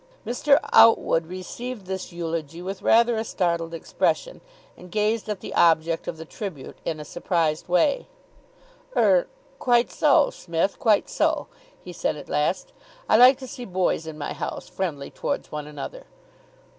Mr. Outwood received this eulogy with rather a startled expression, and gazed at the object of the tribute in a surprised way. "Er quite so, Smith, quite so," he said at last. "I like to see boys in my house friendly towards one another."